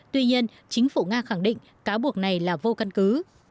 tuy nhiên chính phủ nga khẳng định cáo buộc này là vô căn cứ